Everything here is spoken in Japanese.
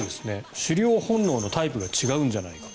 狩猟本能のタイプが違うんじゃないか。